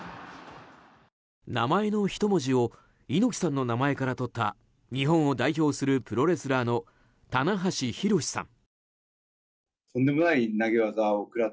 名前の一文字を猪木さんの名前からとった日本を代表するプロレスラーの棚橋弘至さん。